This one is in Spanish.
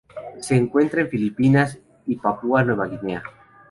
Se encuentra en las Filipinas y Papúa Nueva Guinea.